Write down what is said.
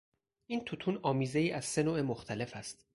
این توتون آمیزهای از سه نوع مختلف است.